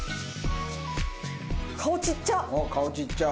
顔ちっちゃ！